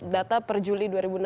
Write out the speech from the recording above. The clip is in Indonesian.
data per juli dua ribu enam belas